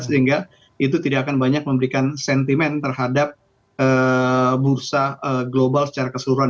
sehingga itu tidak akan banyak memberikan sentimen terhadap bursa global secara keseluruhan